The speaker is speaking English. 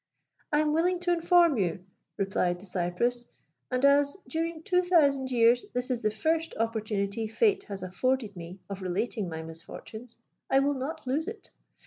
"I am willing to inform you," replied the cypress; "and as, during two thousand years, this is the first opportunity Fate has afforded me of relating my misfortunes, I will not lose it.